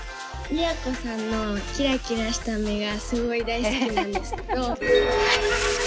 都さんのキラキラした目がすごい大好きなんですけど。